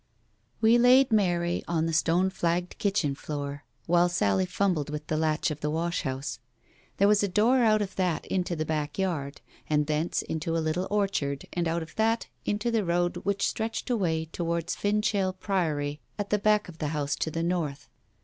We laid Mary on the stone flagged kitchen floor, while Sally fumbled with the latch of the wash house. There was a door out of that into the back yard, and thence into a little orchard, and out of that into the wood which stretched away towards Finchale Priory at the back of Digitized by Google iqo TALES OF THE UNEASY the house to the north.